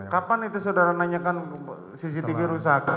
kapan itu saudara nanyakan cctv rusak